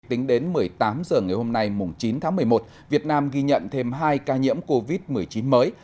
tính đến một mươi tám h ngày hôm nay chín tháng một mươi một việt nam ghi nhận thêm hai ca nhiễm covid một mươi chín mới